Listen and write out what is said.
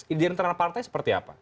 di dalam internal partai seperti apa